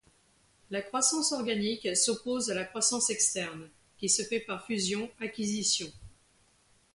La croissance organique s'oppose à la croissance externe, qui se fait par fusion-acquisition.